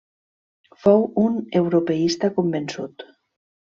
Fou un europeista convençut.